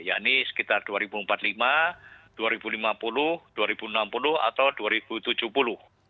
yakni sekitar dua ribu empat puluh lima dua ribu lima puluh dua ribu enam puluh atau dua ribu tujuh puluh